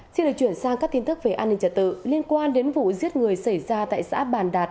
xin được chuyển sang các tin tức về an ninh trật tự liên quan đến vụ giết người xảy ra tại xã bàn đạt